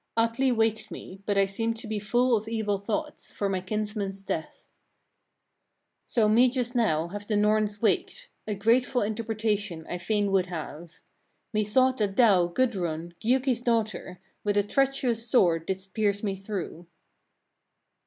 36. Atli waked me, but I seemed to be full of evil thoughts, for my kinsmen's death. 37. "So me just now have the Norns waked, a grateful interpretation I fain would have. Methought that thou, Gudrun! Giuki's daughter! with a treacherous sword didst pierce me through."